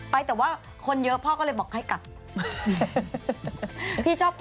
ไปแต่ว่าคนเยอะพ่อก็เลยบอกให้กลับมา